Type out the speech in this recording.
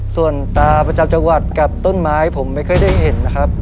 ส่วนตาประจำจังหวัดกับต้นไม้ผมไม่ค่อยได้เห็นนะครับ